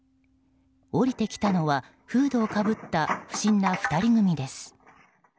降りてきたのはフードをかぶった不審な２人組です。